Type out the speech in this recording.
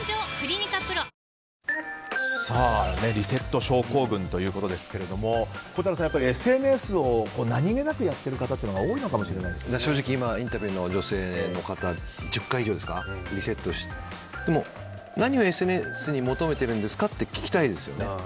リセット症候群ということですけど孝太郎さん、ＳＮＳを何気なくやっている方っていうのがインタビューの女性の方１０回以上リセットしてでも何をＳＮＳに求めているんですかって聞きたいですよね。